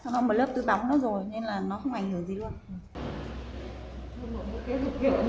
nó có một lớp tưới bóng nữa rồi nên là nó không ảnh hưởng gì luôn